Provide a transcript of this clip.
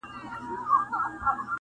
نقادان يې بېلابېل تحليلونه کوي تل,